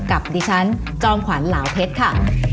กับดิฉันจอมขวัญเหลาเพชรค่ะ